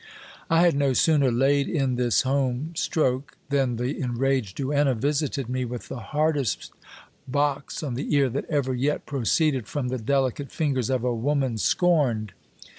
I had no sooner laid in this home stroke, then the enraged duenna visited me with the hardest box on the ear that ever yet proceeded from the delicate fingers of a woman scorned.